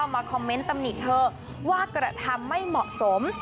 มาคอมเมนต์ตำหนิเธอว่ากระทำไม่เหมาะสม